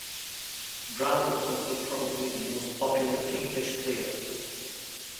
Brown was also probably the most popular Kingfish player.